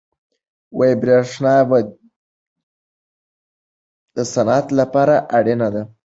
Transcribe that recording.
برښنا د صنعت لپاره اړینه ده.